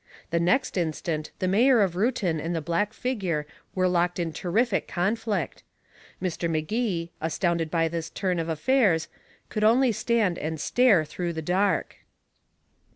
The next instant the mayor of Reuton and the black figure were locked in terrific conflict. Mr. Magee, astounded by this turn of affairs, could only stand and stare through the dark.